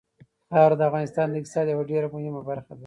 خاوره د افغانستان د اقتصاد یوه ډېره مهمه برخه ده.